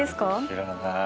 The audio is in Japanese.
知らない。